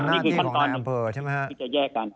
นี่คือขั้นตอนที่จะแยกกัน